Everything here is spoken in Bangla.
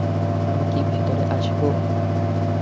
আমি কি ভেতরে আসবো?